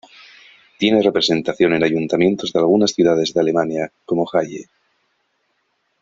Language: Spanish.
Tiene representación en ayuntamientos de algunas ciudades de Alemania, como Halle.